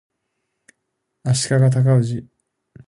足利尊氏